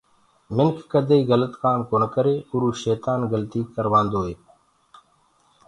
مٚنک ڪديئيٚ گلِت ڪآم ڪونآ ڪري اروُ شيتآن گلتيٚ ڪروآدوئي